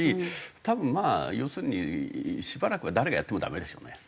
多分まあ要するにしばらくは誰がやってもダメですよね。